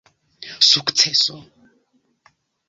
sukceso